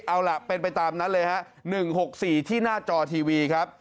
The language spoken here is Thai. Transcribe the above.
เอาล่ะเป็นไปตามนั้นเลยฮะ๑๖๔ที่หน้าจอทีวีครับ